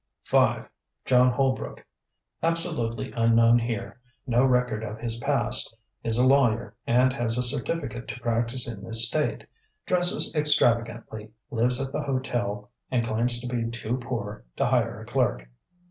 "5. John Holbrook. Absolutely unknown here. No record of his past. Is a lawyer and has a certificate to practice in this state. Dresses extravagantly, lives at the hotel and claims to be too poor to hire a clerk.